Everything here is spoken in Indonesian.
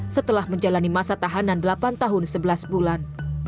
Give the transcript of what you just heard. setelah menjalani masa tahanan delapan tahun sebelas bulan